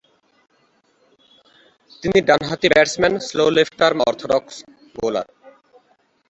তিনি ডানহাতি batsman slow left arm orthodox bowler.